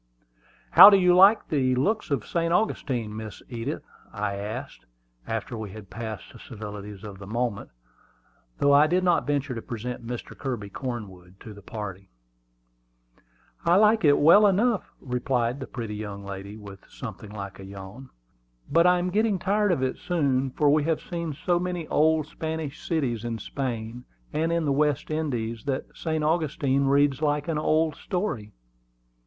"How do you like the looks of St. Augustine, Miss Edith?" I asked, after we had passed the civilities of the moment, though I did not venture to present Mr. Kirby Cornwood to the party. "I like it well enough," replied the pretty young lady, with something like a yawn. "But I am getting tired of it so soon; for we have seen so many old Spanish cities in Spain and in the West Indies, that St. Augustine reads like an old story."